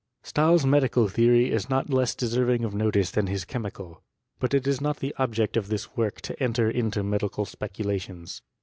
, Stahl's medical theory is not less deserving of notice tban his chemical. But it is not the object of this work to enter into medical speculations.